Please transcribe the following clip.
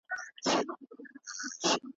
د کافي پیالې ته ناست دی